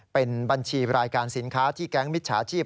เป็นบัญชีรายการสินค้าที่แก๊งมิจฉาชีพ